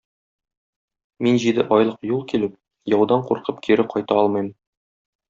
Мин җиде айлык юл килеп, яудан куркып кире кайта алмыйм.